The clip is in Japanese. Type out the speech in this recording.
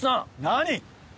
何⁉